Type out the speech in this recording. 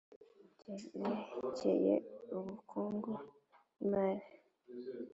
byerekeye ubukungu n imari